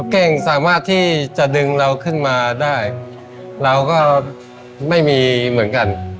เก่งสามารถที่จะดึงเราขึ้นมาได้เราก็ไม่มีเหมือนกัน